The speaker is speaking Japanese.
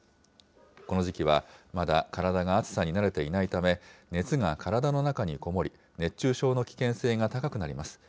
この時期はまだ体が暑さに慣れていないため、熱が体の中に籠もり、熱中症の危険性が高くなります。